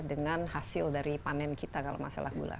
dengan hasil dari panen kita kalau masalah gula